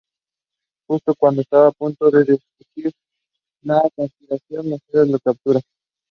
It was first published by Angry Robot.